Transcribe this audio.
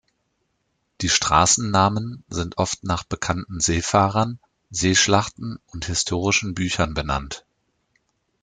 Die Straßennamen sind oft nach bekannten Seefahrern, Seeschlachten und historischen Büchern benannt.